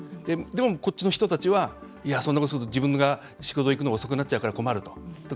こっちの人たちはそんなことすると自分が仕事行くの遅くなっちゃうから困ると。